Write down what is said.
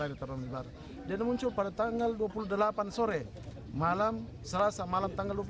dia muncul pada tanggal dua puluh delapan sore malam selasa malam tanggal dua puluh